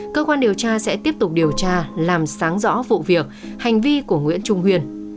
cơ quan điều tra sẽ tiếp tục điều tra làm sáng rõ vụ việc hành vi của nguyễn trung huyên